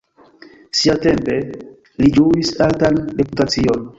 Siatempe li ĝuis altan reputacion.